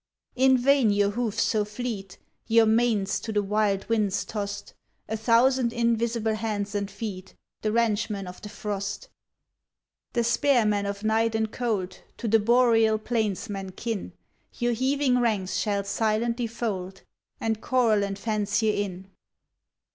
In vain your hoofs so fleet, Your manes to the wild winds tossed, A thousand invisible hands and feet, The ranchmen of the frost, The spearmen of night and cold, To the boreal plainsmen kin, Your heaving ranks shall silently fold, And corral and fence ye in.